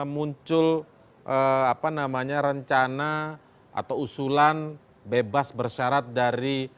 muncul rencana atau usulan bebas bersyarat dari